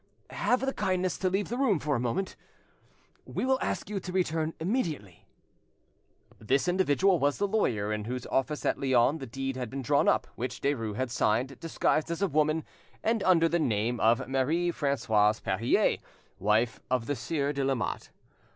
"Have the kindness to leave the room for a moment; we will ask you to return immediately." This individual was the lawyer in whose office at Lyons the deed had been drawn up which Derues had signed, disguised as a woman, and under the name of Marie Francoise Perier, wife of the Sieur de Lamotte.